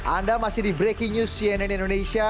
anda masih di breaking news cnn indonesia